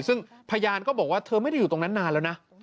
ซึ่งพยานก็บอกว่าเธอไม่ได้อยู่ตรงนั้นนานแล้วนะ